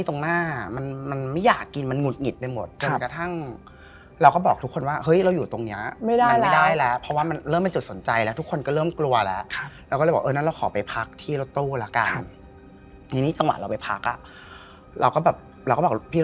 ทีนี้เราไม่รู้เรื่องอะไรเลยนะเราก็เข้าไปอาบน้ำปกติ